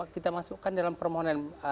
kita masukkan dalam permohonan